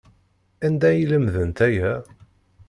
Anda ay lemdent aya?